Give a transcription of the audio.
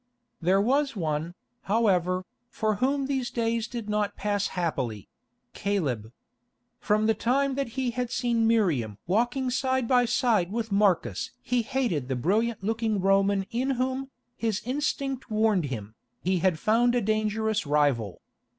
There was one, however, for whom these days did not pass happily—Caleb. From the time that he had seen Miriam walking side by side with Marcus he hated the brilliant looking Roman in whom, his instinct warned him, he had found a dangerous rival.